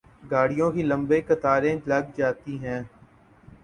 گاڑیوں کی لمبی قطاریں لگ جاتی ہیں۔